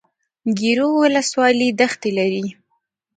ګیرو ولسوالۍ دښتې لري؟